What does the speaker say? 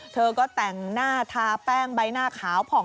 เธอก็แต่งหน้าทาแป้งใบหน้าขาวผ่อง